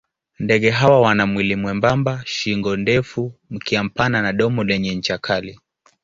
Ndege hawa wana mwili mwembamba, shingo ndefu, mkia mpana na domo lenye ncha kali.